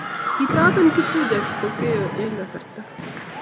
Kitoben Kifuja Kipokeo eng kasarta